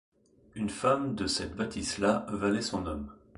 une femme de cette bâtisse-là valait son homme.